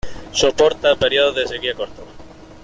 Soporta períodos de sequía cortos.